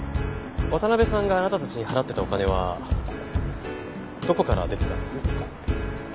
渡辺さんがあなたたちに払ってたお金はどこから出てたんです？